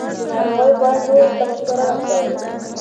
د ناروغیو په اړه نورو ته مشوره ورکوي.